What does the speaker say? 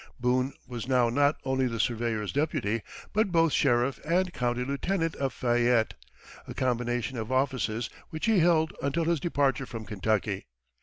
Boone was now not only the surveyor's deputy, but both sheriff and county lieutenant of Fayette, a combination of offices which he held until his departure from Kentucky.